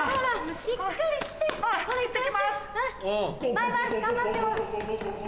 バイバイ頑張ってよ。